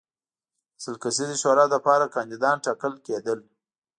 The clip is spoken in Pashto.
د سل کسیزې شورا لپاره کاندیدان ټاکل کېدل.